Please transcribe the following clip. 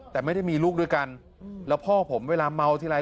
แต่ไม่ได้มีลูกด้วยกันแล้วพ่อผมเวลาเมาทีไร